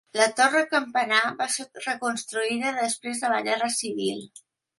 La torre campanar va ser reconstruïda després de la guerra civil.